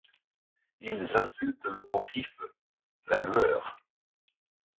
Ils insultent le pontife, La lueur